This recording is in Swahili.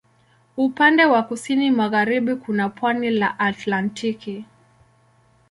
Upande wa kusini magharibi kuna pwani la Atlantiki.